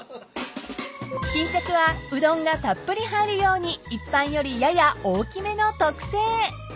［巾着はうどんがたっぷり入るように一般よりやや大きめの特製］